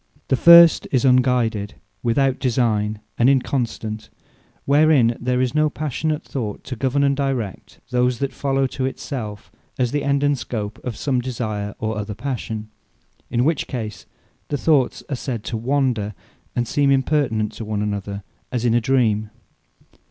The first is Unguided, Without Designee, and inconstant; Wherein there is no Passionate Thought, to govern and direct those that follow, to it self, as the end and scope of some desire, or other passion: In which case the thoughts are said to wander, and seem impertinent one to another, as in a Dream.